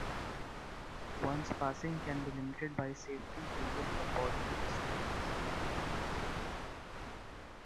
One's passing can be limited by safety, legal or bodily restraints.